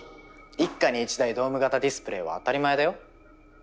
一家に一台ドーム型ディスプレーは当たり前だよ。